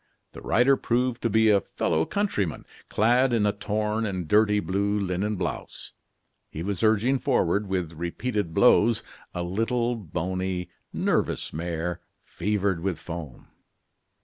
The rider proved to be a fellow countryman, clad in a torn and dirty blue linen blouse. He was urging forward, with repeated blows, a little, bony, nervous mare, fevered with foam.